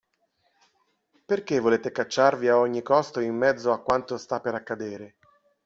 Perché volete cacciarvi a ogni costo in mezzo a quanto sta per accadere?